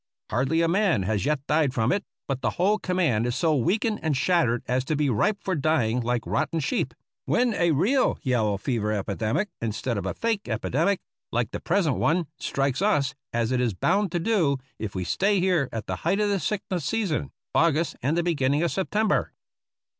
Hardly a man has yet died from it, but the whole command is so weakened and shattered as to be ripe for dying like rotten sheep, when a real yellow fever epidemic instead of a fake epidemic, like the present one, strikes us, as it is bound to do if we stay here at the height of the sickness season, August and the beginning of Sep tember.